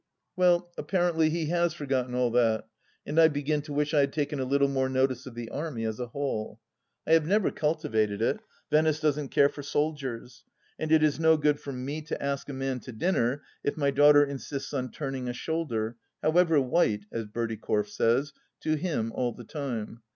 Well, apparently he has forgotten all that. And I begin to wish I had taken a little more notice of the Army as a whole. I have never cultivated it ; Venice doesn't care for soldiers. And it is no good for me to ask a man to dinner if my daughter insists on turning a shoulder — however white, as Bertie Corfe says — ^to him all the time